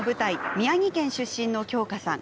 宮城県出身の京香さん。